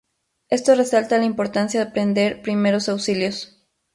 Esto resalta la importancia aprender primeros auxilios.